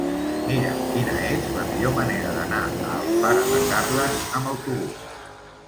Mira'm quina és la millor manera d'anar a Alfara de Carles amb autobús.